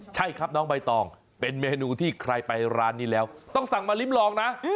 ใช่ครับน้องใบตองเป็นเมนูที่ใครไปร้านนี้แล้วต้องสั่งมาริมลองนะ